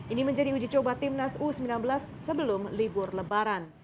ini menjadi uji coba timnas u sembilan belas sebelum libur lebaran